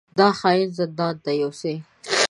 دا خاين زندان ته يوسئ!